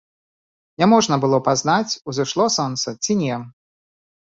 Не можна было пазнаць, узышло сонца ці не.